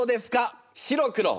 白黒。